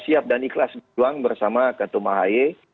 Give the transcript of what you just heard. siap dan ikhlas bersama ketumahaye